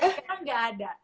sekarang gak ada